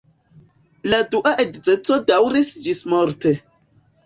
La dua edzeco daŭris ĝismorte.